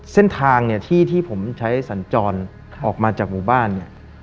เส้นทางเนี่ยที่ที่ผมใช้สัญจรออกมาจากหมู่บ้านเนี่ย